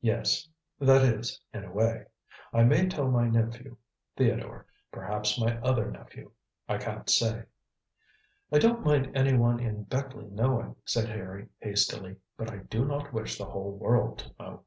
"Yes that is, in a way. I may tell my nephew Theodore, perhaps my other nephew I can't say." "I don't mind anyone in Beckleigh knowing," said Harry hastily, "but I do not wish the whole world to know."